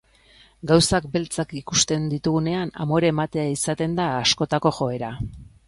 Gauzak beltzak ikusten ditugunean, amore ematea izaten da askotako joera.